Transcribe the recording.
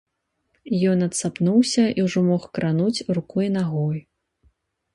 Ён адсапнуўся і ўжо мог крануць рукой і нагой.